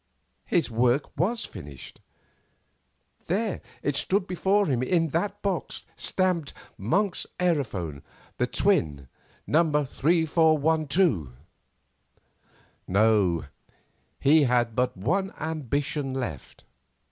His work was finished. There it stood before him in that box, stamped "Monk's aerophone. The Twin. No. 3412." No; he had but one ambition left.